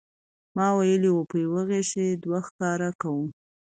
ما ویلي و په یوه غیشي دوه ښکاره کوو.